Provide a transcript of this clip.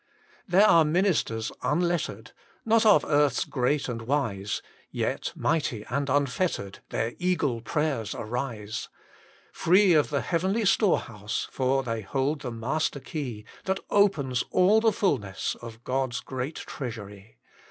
XII TTTE MINISTRY OF INTERCESSION There are ministers unlettered, Not of Earth s great and wise, Yet mighty and unfettered Their eagle prayers arise. Free of the heavenly storehouse I For they hold the master key That opens all the fulness Of God s great treasury.